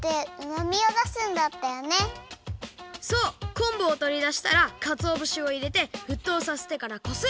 こんぶをとりだしたらかつおぶしをいれてふっとうさせてからこす！